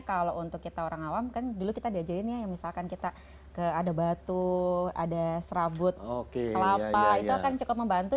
kalau untuk kita orang awam kan dulu kita diajarin ya misalkan kita ada batu ada serabut kelapa itu akan cukup membantu